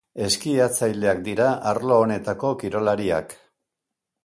Eskiatzaileak dira arlo honetako kirolariak.